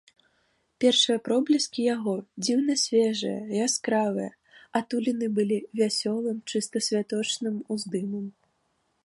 Першыя пробліскі яго, дзіўна свежыя, яскравыя, атулены былі вясёлым, чыста святочным уздымам.